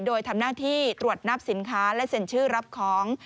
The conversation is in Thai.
โดยทำหน้าที่ตรวจนับสินค้าและเซ็นชื่อรับของ